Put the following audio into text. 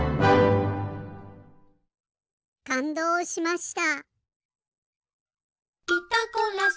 かんどうしました。